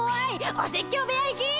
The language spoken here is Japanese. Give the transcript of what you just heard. お説教部屋行き！